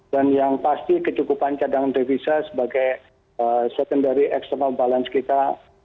dan yang pasti kecukupan cadangan devisa sebagai secondary external balance kita